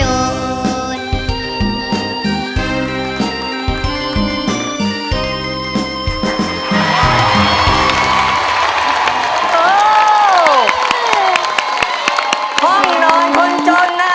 ห้องนอนคนจนนะ